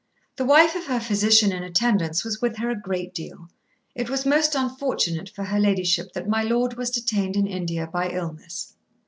The wife of her physician in attendance was with her a great deal. It was most unfortunate for her ladyship that my lord was detained in India by illness.